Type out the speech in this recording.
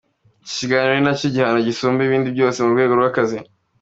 Iki gihano ni nacyo gihano gisumba ibindi byose mu rwego rw’akazi.